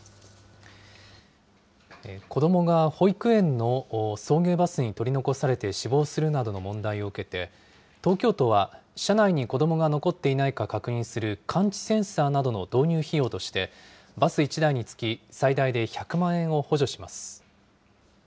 子どもが保育園の送迎バスに取り残されて死亡するなどの問題を受けて、東京都は、車内に子どもが残っていないか確認する感知センサーなどの導入費用として、バス１台につき最大で１００万円を補助します。